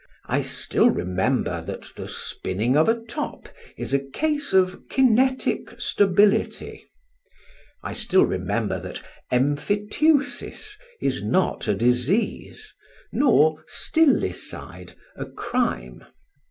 I still remember that the spinning of a top is a case of Kinetic Stability. I still remember that Emphyteusis is not a disease, nor Stillicide a crime.